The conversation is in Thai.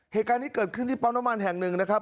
เหตุการณ์นี้เกิดขึ้นที่ปั๊มน้ำมันแห่งหนึ่งนะครับ